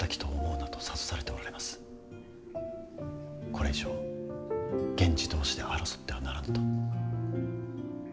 これ以上源氏同士で争ってはならぬと。